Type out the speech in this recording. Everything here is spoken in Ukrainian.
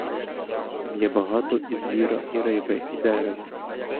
Там є багато і звіра, і риби, і дерева.